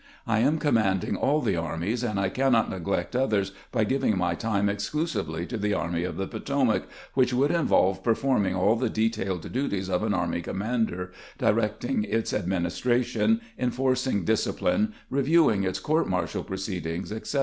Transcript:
I am commanding all the armies, and I cannot neglect others by giving my time exclusively to the Army of the Potomac, which would involve performing all the detailed duties of an army commander, directing its administration, enforcing dis cipline, reviewing its court martial proceedings, etc.